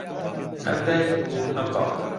ھەم دایک بوو ھەم باوک